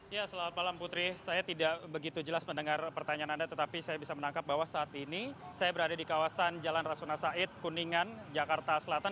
ya selamat malam putri saya tidak begitu jelas mendengar pertanyaan anda tetapi saya bisa menangkap bahwa saat ini saya berada di kawasan jalan rasuna said kuningan jakarta selatan